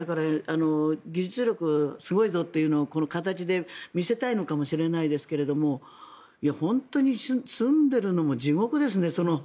この状況の中で技術力、すごいぞというのをこの形で見せたいのかもしれないですけど本当に住んでるのも地獄ですね。